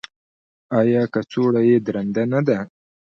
ایا کڅوړه یې درنده نه ده؟